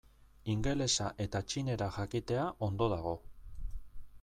Ingelesa eta txinera jakitea ondo dago.